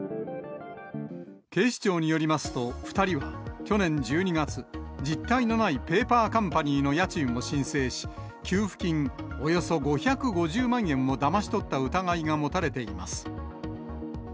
警視庁によりますと２人は去年１２月、実体のないペーパーカンパニーの家賃を申請し、給付金およそ５５０万円をだまし取った疑いが持たれています。